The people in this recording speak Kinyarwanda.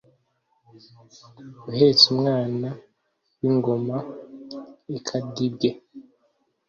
uhetse umwana w'ingoma ikadibwe